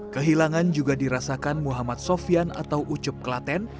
kehilangan juga dirasakan muhammad sofian atau ucup klaten